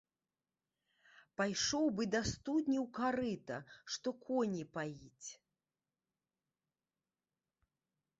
Пайшоў бы да студні ў карыта, што коні паіць.